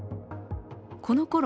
このころ